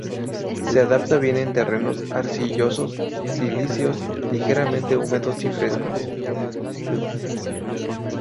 Se adapta bien en terrenos arcillosos-silíceos, ligeramente húmedos y frescos.